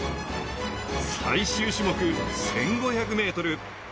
最終種目１５００ｍ。